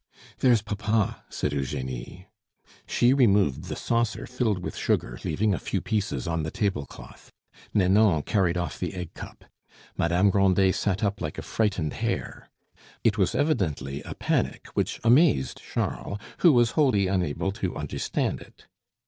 "There's papa!" said Eugenie. She removed the saucer filled with sugar, leaving a few pieces on the table cloth; Nanon carried off the egg cup; Madame Grandet sat up like a frightened hare. It was evidently a panic, which amazed Charles, who was wholly unable to understand it.